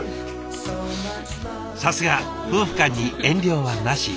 さすが夫婦間に遠慮はなし。